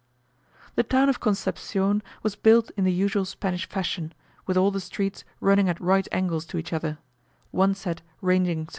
The town of Concepcion was built in the usual Spanish fashion, with all the streets running at right angles to each other; one set ranging S.W.